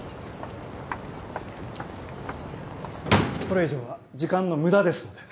これ以上は時間の無駄ですので。